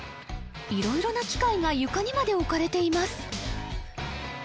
色々な機械が床にまで置かれています